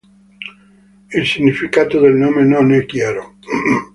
Il significato del nome non è chiaro.